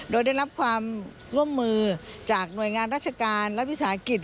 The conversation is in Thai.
โดยได้รับความร่วมมือจากหน่วยงานราชการรัฐวิสาหกิจ